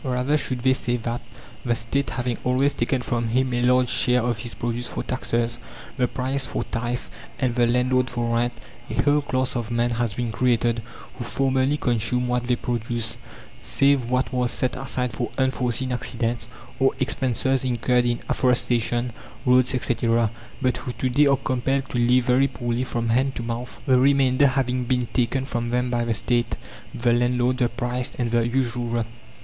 Rather should they say that, the State having always taken from him a large share of his produce for taxes, the priest for tithe, and the landlord for rent, a whole class of men has been created, who formerly consumed what they produced save what was set aside for unforeseen accidents, or expenses incurred in afforestation, roads, etc. but who to day are compelled to live very poorly, from hand to mouth, the remainder having been taken from them by the State, the landlord, the priest, and the usurer.